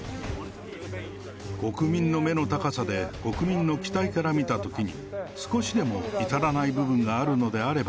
国民の目の高さで、国民の期待から見たときに、少しでも至らない部分があるのであれば、